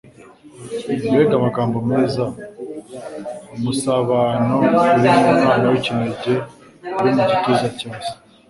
Mbega amagambo meza ! Umusabano uri mu Mwana w'ikinege uri mu gituza cya Se,